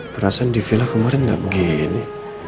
perasaan di vila kemarin gak begini